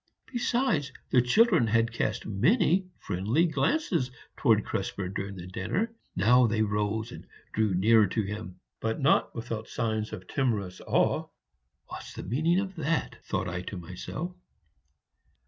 Besides, the children had cast many friendly glances towards Krespel during dinner; now they rose and drew nearer to him, but not without signs of timorous awe. What's the meaning of that? thought I to myself.